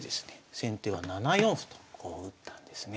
先手は７四歩とこう打ったんですね。